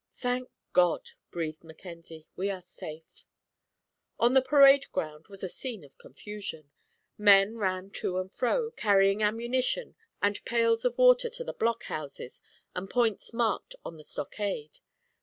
"Thank God," breathed Mackenzie, "we are safe!" On the parade ground was a scene of confusion. Men ran to and fro, carrying ammunition and pails of water to the blockhouses and points marked on the stockade.